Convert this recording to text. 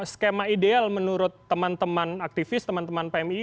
skema ideal menurut teman teman aktivis teman teman pmi